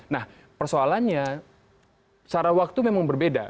nah persoalannya secara waktu memang berbeda